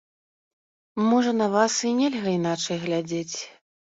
Можа, на вас і нельга іначай глядзець.